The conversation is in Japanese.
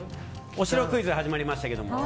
お城クイズ始まりました。